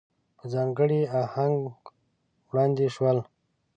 په ځانګړي آهنګ وړاندې شول.